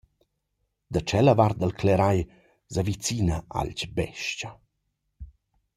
Da tschella vart dal clerai s'avicina alch bes-cha.